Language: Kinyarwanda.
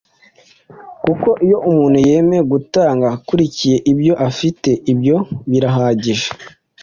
kuko iyo umuntu yemeye gutanga akurikije ibyo afite, ibyo birahagije;